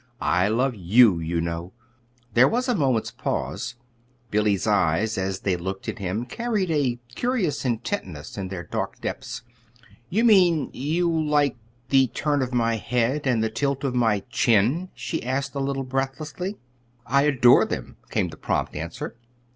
I love you, you know." There was a moment's pause. Billy's eyes, as they looked at him, carried a curious intentness in their dark depths. "You mean, you like the turn of my head and the tilt of my chin?" she asked a little breathlessly. "I adore them!" came the prompt answer.